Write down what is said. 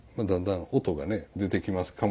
だんだん音がね出てきます。